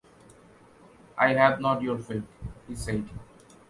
“I have not your faith,” he said.